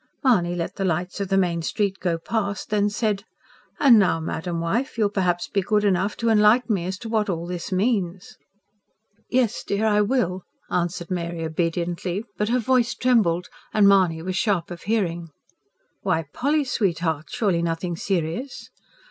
Mahony let the lights of the main street go past; then said: "And now, Madam Wife, you'll perhaps be good enough to enlighten me as to what all this means?" "Yes, dear, I will," answered Mary obediently. But her voice trembled; and Mahony was sharp of hearing. "Why, Polly sweetheart ... surely nothing serious?"